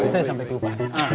saya sampai lupa